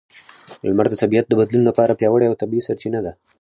لمر د طبیعت د بدلون لپاره پیاوړې او طبیعي سرچینه ده.